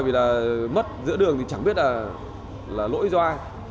vì là mất giữa đường thì chẳng biết là lỗi do ai